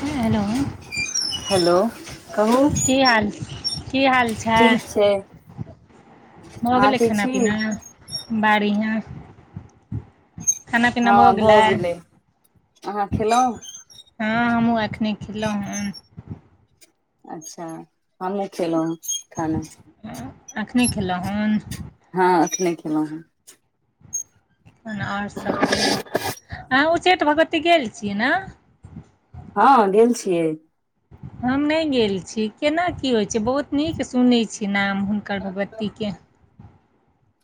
हा hello hello की हाल की हाल छै ठिक छै भऽ अहाँ गेलै ठीक खाना छी पीना बाड़ इ यहाँ हँ भऽ गेलै आहाँ खेलौ हाँ हमहूँ एखने खलहुँ हे अच्छा हम न खेलहुँ हँ खाना एखने खेलहुँ हन हँ एखने केलहुँ हेँ और सब कहियौ अहाँ उच्चैठ भगवती गेल छियै ने हँ गेल छियै हम नै गेल छी केना की होइत छै बहुत नीक सुनैत छी नाम हुनकर भगवतीके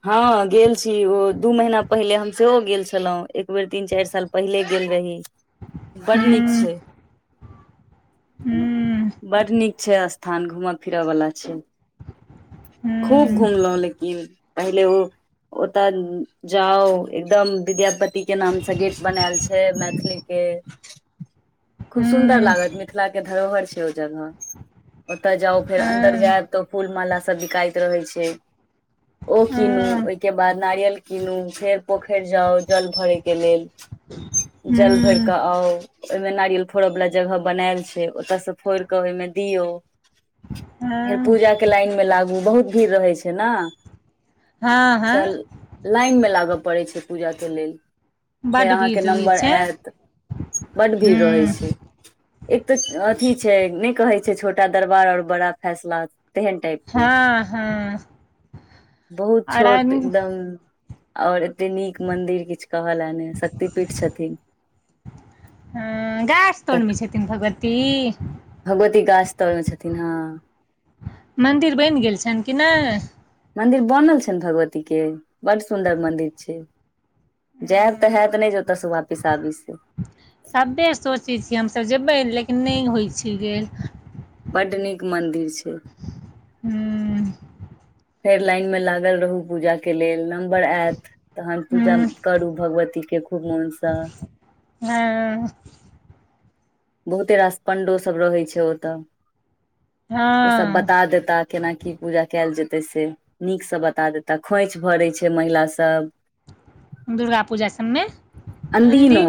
हँ गेल छी ओ दू महीना पहिले हम सेहो गेल छलहुँ एक बेर तीन चाइर साल पहिले गेल रही बड नीक हूँ छै हूँ बड नीक छै स्थान घूमऽ फिरऽ बला छै खूब हूँ घुमलौ लेकिन पहिले ओ ओतऽ जाउ एकदम विद्यापति के नाम से गेट बनायल छै मैथली के [inaudible] खूब सुन्दर हूँ लागत मिथिला के धरोहर छै ओ जगह ओतय जाउ हँ फेर अन्दर हँ जेब तऽ फूल माला सब बिकाईत रहे छै ओ कीनू के बाद नारियल कीनू फेर पोखर जाउ जल भरे के लेल जल भरि हूँ कऽ आउ ओहिमे नारियल फोड़यवला जगह बनायल छै ओतयसँ फोड़ि कऽ ओहिमे दियौ फेर हँ पूजा के लाइन मे लागू बहुत भीड़ रहैत छै ने हँ हँ त लाइन मे लागऽ पड़ै छै पूजाक के लेल फेर बड्ड अहाँ भीड़ के रहै नम्बर छै आयत बड्ड भीड़ रहै हूँ छै एक तऽ अथी छै नहि कहै छै छोटा दरबार ओर बड़ा फैसला तेहन टाइप के हँ हँ बहुत अरन छोट एकदम और एते नीक मंदिर किछु कहल ने शक्ति पीठ छथिन ह गायछ तोड़ तऽ मे छथिन भगवती भगवती गाछ तर में छथिन हँ मन्दिर बनि गेल छैन की नै मंदिर बनल छन भगवती के बड सुदर मंदिर छै जेतऽ है तऽ नहि जता स वापिस आबि से सभे सोचै छियै हमसभ जेबै लेकिन नहि होइ छै गेल बड़ नीक मंदिर छै हू फेर लाइन मे लागल रहू पूजा के लेल नम्बर आयत तखन पूजा हूँ करू भगवतीके खूब मोनसँ हँ बहुते रास पंण्डो सब रहै छै ओतऽ ओ सब हँ बता देता केना की पूजा कयल जेते से नीक स बता देता खोंइछ भरे छै महिला सब दुर्गा पूजा सब मे अदिनो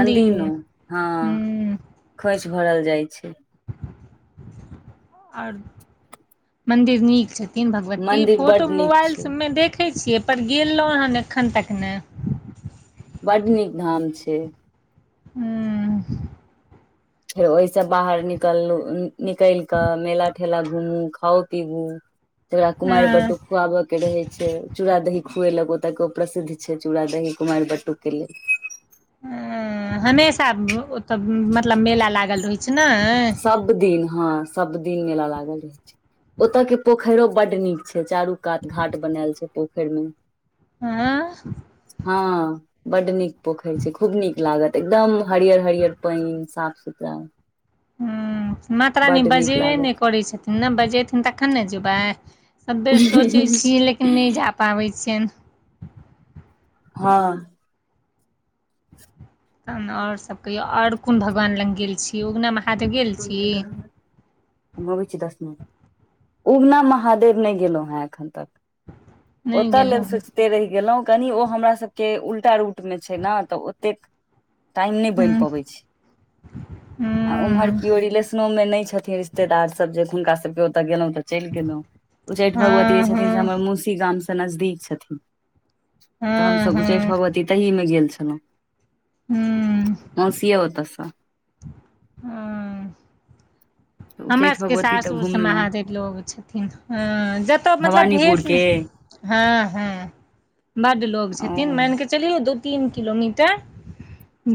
अनदिनो हँ हूँ खोंइछ भरल जाइ छै आओर मन्दिर नीक छथिन भगवती मंदिर फोटो बड नीक मोबाइल छै सब में देख देखै छियै पर गेलौं हन एखन तक नहि बड नीक धाम छै ह्म फेर ओहिस बाहर निकलौनिकलि क मेला ठेला घूमू खाउ पिबू जहिया कुमारि हँ बटूक खुआबय के रहे छै चूड़ा दही खुएलक ओतय के प्रसिद्ध छै चूड़ा दही कुमारि बटूक के लेल ह हमेशा ओतऽ मतलब मेला लागल रहै छै नाय सब दिन हँ सब दिन मेला लागल रहै छै ओतय के पोखरियो बड नीक छै चारू कात घाट बनाएल छै पोखरि मे आँ हँ बड्ड नीक पोखरि छै खूब नीक लागत एकदम हरियर हरियर पानि साफ सुथरा ह माता रानी बड्ड नीक बजेबे लागत नहि करै छथिन ने बजेथिन तखन ने जेबै सभ बेर सोचै छियै लेकिन नहि जा पाबै छियनि हँ तहन आओर गंसब कहियो आओर कोन भगवान लग गेल छियै उगना महा [unintelligible] हम अबै छी दस मिनट उगना महादेव नहि गेलौ हे एखन तक नै ओतऽ गेलौं लेल हूँ सोचते रहि गेलौ कनि ओ हमरा सभके उल्टा रूटमे छै ने तऽ ओतेक टाइम नहि बन हूँ पबै छै आ ओम्हर केओ रिलेशनो में नहि छथिन रिश्तेदार सब जे हुनका सब के ओतए गेलों त चलि गेलहुँ उच्चैठ हँ भगवती जे छथिन हँ से हमर मौसी गामसँ नजदीक छथिन त हँ हमसभ हँ उच्चैठ भगवती तहीमे गेल छलौ हूँ मौसी य ओते सँ हँ तऽ हमरा उच्चैठ सबके भगवती तऽ सासुर से घुमलहुँ महादेव लोग छथिन अ जतय मतलब भवानीपुर भेट के हँ हँ बड लोग ओ छथिन मैन के चलियौ दू तीन किलोमीटर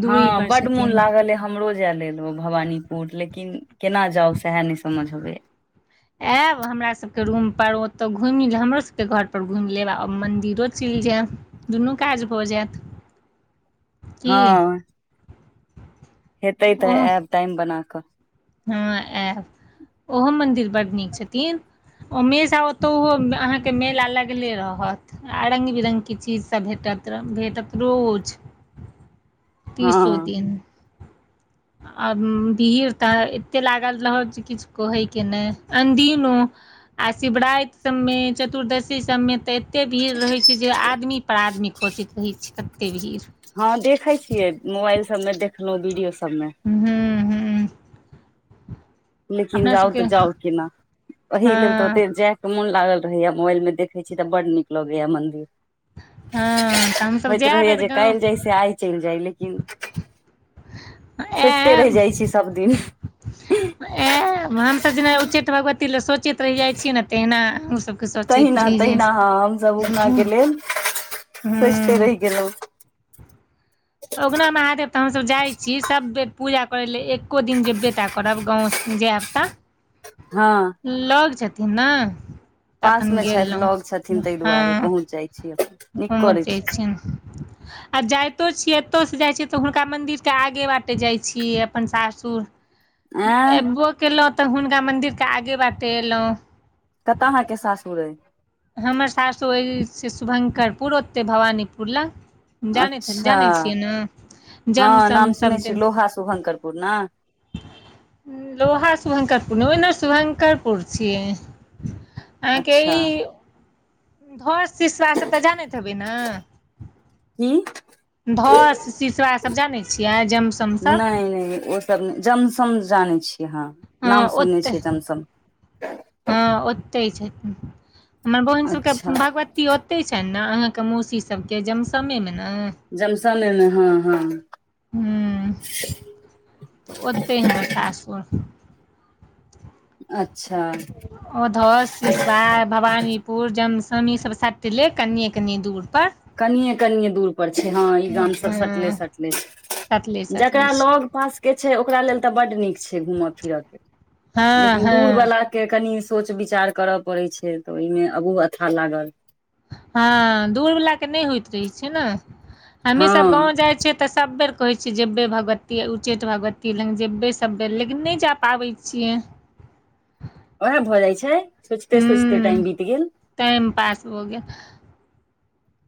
दूरी हँ पर बड मोन छथिन लागल ए हमरो जाय लेल ओ भवानीपुर लेकिन केना जाउ सएह नहि समझ अबैया आयब हमरा सबके रूम पर ओतौ घुमि ले हमरो सबके घर पर घुमि लेब आ मंदिरो चल जायब दुनू काज भऽ जायत की हँ हेतै तऽ ओहो आयब टाइम बना कऽ हँ आयब ओहो मन्दिर बड्ड नीक छथिन ओ हमेशा ओतहु अहाँके मेला लगले रहत आ रङ्ग बिरङ्गके चीजसभ भेटत रह भेटत रोज तीस सए हँ तीन ओर भीड़ त एते लागल रहत जे किछु कहयके नहि अनदिनो आ शिवरात सबमे चतुर्दशी सबमे त कतेक भीड़ रहै छै जे आदमी पर आदमी खोजैत रहै छै कतेक भीड़ हँ देखैत छियै मोबाइल सबमे देखलहुँ वीडियो सबमे हू हू लेकिन जाउ सबके तऽ जाउ केना ओहि लेल तऽ ओते हँ जाय मोन लागल रहैया मोबाइल मे देखै छी तऽ बड नीक लगैया मंदिर हँ तऽ हमसब होईत जायब रहिय बेर जे काल्ह गाँव जाइस आय चलि जाइ लेकिन सोचिते रहि जाइ छी सब दिन एं हमसभ जेना उच्चैठ भगवती लए सोचैत रहि जाइ छियै ने तहिना ओसभ सोचैत तहिना रहि जा तहिना हँ हमसभ उगना के लेल ह सोचिते रहि गेलहुँ उगना महादेव तऽ हमसभ जाइ छी सभ बेर पूजा करय ले एक्को दिन जे बेटा करब गाँव जायब तऽ [inaudible] हँ लग छथिन ने तऽ पास अपन मे छैथ लग छथिन गेलहुँ तहि दुआरे हँ बहूत जाइ छी अपन [unintelligible] आ जाइतो छियै एतयसँ जाइत छियै तऽ हुनका मन्दिरके आगे बाटे जाइत छियै अपन सासुर आँ अयबो केलहुँ तऽ हुनका मंन्दिरके आगे बाटे एलहुँ कतऽ अहाँके सासुर अइ हमर साससो अ से शुभं्करपुर ओतेक भवानीपुर लग जानै अच्छा जानै छियै ने जम हँ सम नाम सुनै सबजे छी लोहा शुभंकरपुर ने [unintelligible] लोहा ओहिना शुभङ्करपुर छियै [unintelligible] अहाँके अच्छा ई धर सिसरा सब तऽ जानैत हेबै ने की धस शिसरा सभ जानै छियै जमसमसभ नहि ओ सब जमसम जानै छियै हँ हँ नाम सुनने ओते छियै जमसम हँ ओते छथि हमर बहिन सबके अच्छा भगवत भगवती ओतहि छन ने अहाँके मौसी सबके जमसमे मे न जमसन ने हँ हँ ह तऽ ओतेह हमर सासुर अच्छा ओधो सिसव भवानीपुर जमसम ईसभ सटले कनिये कनिये दूर पर कनिये कनि दूर पर छै हँ ई गाम सभ सटले हँ सटले सटले सटले जकरा छै लग पास के छै ओकरा लेल तऽ बड्ड नीक छै घूमय फिरय के हँ लेकिन हँ दूर वला के कनी सोच विचार करऽ पड़े छै तऽ ओहिमे अगू अच्छा लागल हँ दूर वला के नहि होइत रहे छै ने हमही हँ सब गाँंव जाइ छियै तऽ सब बेेर कहै छियै जेबै भगवती उच्चैठ भगवती लग जेबै सब बेर लेकिन नहि जा पाबै छियै ओएह भ जाइ छै सोचते सोचिते हूँ टाइम बीत गेल टाइम पास भ गेल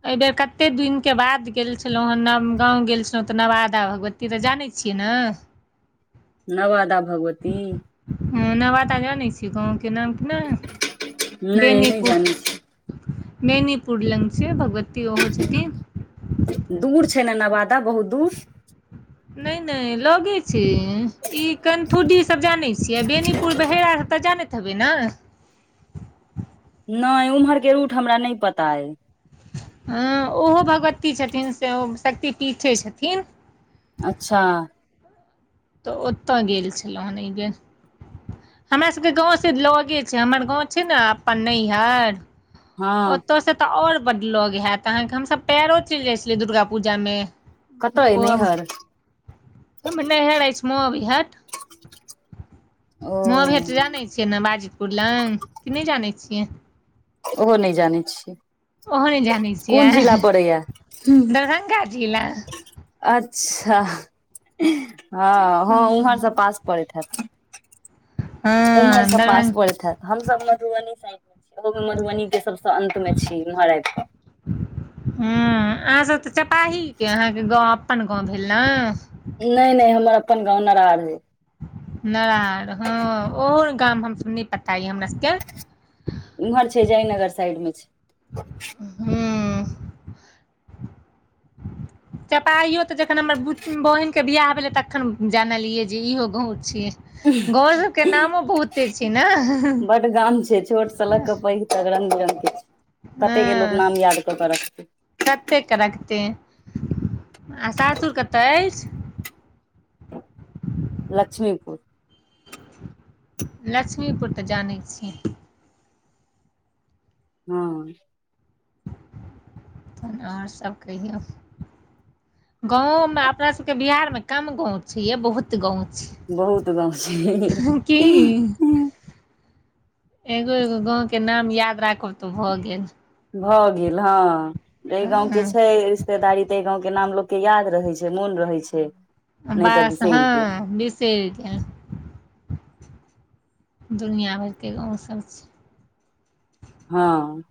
एहि बेर कते दिनके बाद गेल छलहुँ हेँ नव गाँव गेल छलहुँ तऽ नवादा भगवती की त जानै छियै ने नवादा भगवती ह नवादा जानै छिय गाँव के नाम कि नै नहि नहि जानै छी मैनी पुर लंग छै भगवती ओहो छथि दूर छै ने नवादा बहुत दूर नहि नहि लगे छै ई कंठूडी सब जानै छियै बेनीपुर बहेरा तऽ जानैत त हेबई न नहि ओम्हरके रूट हमरा नहि पता अइ हँ ओहो भगवती छथिन सेहो शक्ति पीठे छथिन अच्छा तऽ ओतय गेल छलहुँ हन एहि बेर हमरा सबके गाँव से लैग छै हमर गाँव छै ने अपन नैहर हँ ओतय से तऽ और बड्ड ल‌ग हैयत अहाँके हमसभ पैरो चलि जाइ छलियै दुर्गा पूजामे कतऽ अइ ओ नैहर हम नैहर अछि मोविहाट [inaudible] ओ माँभेट जानै छियै न बाजीपुर लग कि नहि जानै छियै ओहो नहि जानै छियै ओहो नहि जानैत कोन जिला पड़ैया छियै दरभंगा जिला अच्छा हँ हँ उम्हर स पास पड़ैत हैत उम्हर स दरभंगा पासपरैत हैत हमसभ मधुबनी साइड मे ओहोमे मधुबनी के सबसँ अंत मे छी इम्हर आबि क ह अहाँसभ तऽ चपाहीके अहाँके गाँव अपन गाँव भेल ने नहि नहि हमर अपन गाँंव नारार भेल नारार हँ ओहो गाम हमस नै पता य हमरा सबके इम्हर छै जयनगर साइड मे छै हुं चपाहियो तऽ जखन हमर बहिनके बियाह भेलै तखन जानलियै जे इहो गाँव छै गाँव सभके नामो बहुते छै न बड गाम छै छोट से लऽ के पैघ तक रंग बिरंग के छै कते के लोक हँ नाम याद कऽ के रखतै कतेक के रखतै आ सासुर कतऽ अछि लक्ष्मीपुर लक्ष्मीपुर तऽ जानै छियै हँ तहन आओर सभ कहियौ गाँंव मे अपना सबके बिहार मे कम गाँंव छै ये बहुत गाँंव छै बहुत गाम की छै एगो एगो गाँवके नाम याद राखब तऽ भऽ गेल भऽ गेल हँ एहि गाँवके हँ छै रिश्तेदारी तै गाँव के नाम लोक के याद रहै छै मोन रहै छै नहि तऽ बस बिसरि गेल हँ बीसैर जाएब दुनिया भरिक गांवसभ छै हँ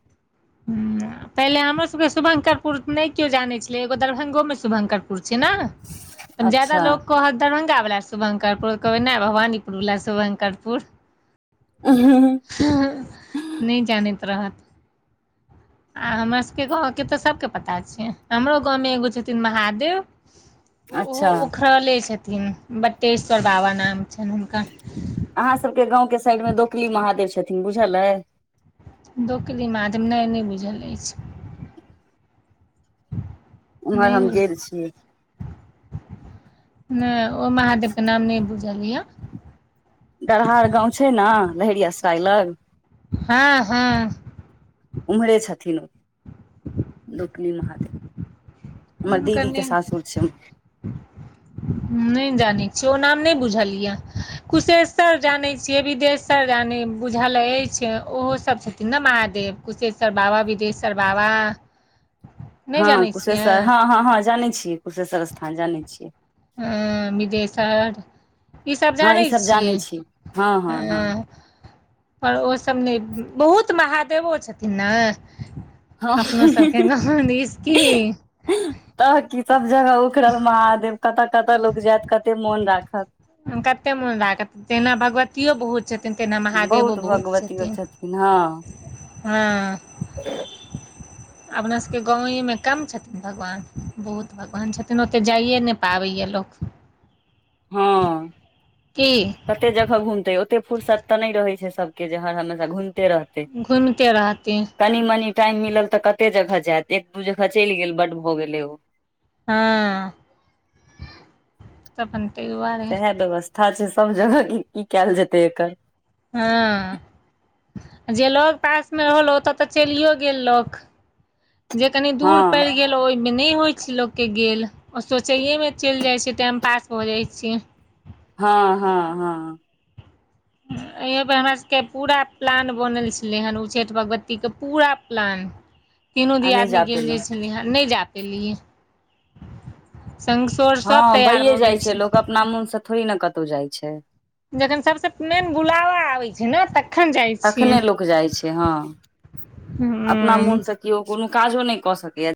हूं पहिले हमरोसभके शुभंकरपुर नहि केओ जानै छलै एगो दरभंगोमे शुभङंकरपुर छै ने त ज्यदा अच्छा लोक कहत दरभंगा वला शुभंकरपुर कहबै नहि भवानीपुर वला शुभंकरपुर अहं हं नहि जानैत रहत आ हमर सभके गाँवके तऽ सभके पता छै हमरो गाँवमे एगो छथिन महादेव अच्छा खरले छथिन बट्टेश्वर बाबा नाम छनि हुनकर अहाँ सबके गाँंव के साइड मे दोकली महादेव छथिन बुझल अय दोकली मादेम नहि नहि बुझल अछि उम्हर नहि हम बुझल गेल छियै नहि ओ महादेव के नाम नहि बुझल य दरहार गाँव छै ने लहेरिया सराइ लग हँ हँ उम्हरे छथिन दोकली महादेव हमर हुनकर दीदी के नहि सासुर छै उम्हर [inaudible] नहि जानै छियै ओ नाम नहि बुझल यै कुशेश्वर जानै छियै विदेश सर जानै बुझल अछि ओहो सब छथिन न महादेव कुशेश्वर बाबा विदेश् सर बाबा नहि हँ जानै छियै कुशेश्वर हँ हँ हँ जानै छियै कुशेश्वर स्थान जानै छियै ह बिदेशर ईसभ हँ ई जानैत सब जानै छियै छी हँ हँ हँ हं पर ओसभ नहि बहुत महादेवो छथिन ने अपनो सबके हँ गाँव दिस की तऽ की सब जगह उखड़ल महादेव कतऽ कतऽ लोक जायत कते मोन राखत कते मोन लागत तहिना भगवतियो बहुत छथिन तहिना महादेवो बहुत छथिन हँ [inaudible] अपना सबके गाँवे मे कम छथिन भगवान बहुत भगवान छथिन ओते जाइए नहि पाबैया लोक लोक हँ की कते जगह घूमते ओते फुर्सत ते नहि रहे छै सबके जे हर हमेशा घूमते रहतै घुमिते रहथिन कनि मनी टाइम मिलल तऽ कते जगह जायत एक दू जगह चलि गेल बड्ड भऽ गेलै ओ हँ तऽ [unintelligible] अपन तैयो बात सएह व्यवस्था छै सब जगह की कयल जेतै एकर हँ जे लग पासमे रहल ओतऽ तऽ चलियो गेल लोक जे कनी हँ दूर पैड़ गेल ओहिमे नहि होइ छै लोक के गेल सोचैेये मे चलि जाइ छै टाइम पास भऽ जाइ छै हँ हँ हँ यहे पर हमरा सबके पूरा प्लान बनल छलै हँ उच्चैठ भगवतीके पूरा प्लान तीनो आ नहि दियादनी जा पेलहुँ गेलीयै छलिहे नहि जा पेलियै संगसोर सभ हँ तैयार भइए भऽ जाइ गेल लोक छै अपना मन से थोड़ी ने कतौ जाइ छै जखन सबसँ मेन बुलावा आबै छै ने तख तखने लोक जाइ छै हँ अपना हूँ मोन से केओ कोनो काजो नहि कऽ सकैया